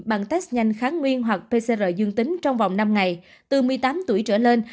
bằng test nhanh kháng nguyên hoặc pcr dương tính trong vòng năm ngày từ một mươi tám tuổi trở lên